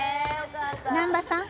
・難破さん。